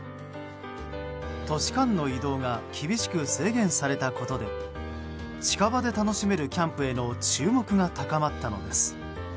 都市間の移動が厳しく制限されたことで近場で楽しめるキャンプへの注目が高まったのです。